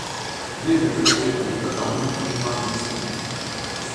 Viene presieduta da un musulmano sciita.